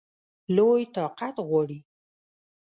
لوی طاقت غواړي.